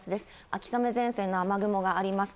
秋雨前線の雨雲があります。